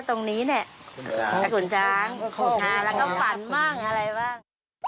ตรงนี้เนี่ยไอ้ขุนช้างแล้วก็ฝันบ้างอะไรบ้าง